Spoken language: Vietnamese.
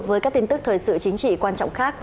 để xem các tin tức tốt hơn